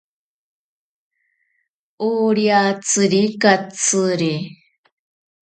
Oriatsiri katsiri.